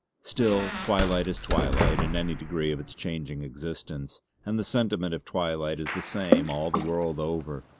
Still twilight is twilight in any degree of its changing existence; and the sentiment of twilight is the same all the world over.